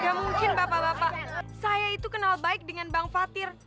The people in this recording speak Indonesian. gak mungkin bapak bapak saya itu kenal baik dengan bang fatir